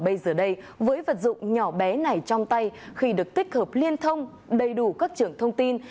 bây giờ đây với vật dụng nhỏ bé này trong tay khi được tích hợp liên thông đầy đủ các trưởng thông tin